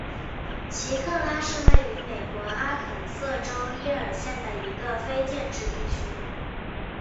奇克拉是位于美国阿肯色州耶尔县的一个非建制地区。